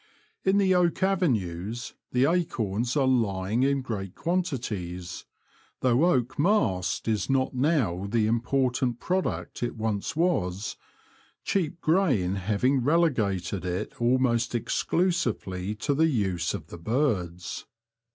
In the oak avenues the acorns are lying in great quantities, though oak mast is not now the important product it once was, cheap grain having relegated it almost exclusively to the use of the birds.